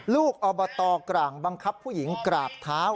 อบตกร่างบังคับผู้หญิงกราบเท้า